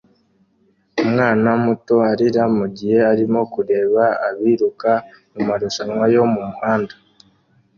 umwana muto arira mugihe arimo kureba abiruka mumarushanwa yo mumuhanda